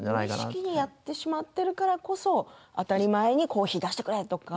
無意識にやってしまっているからこそ当たり前にコーヒー出してくれと。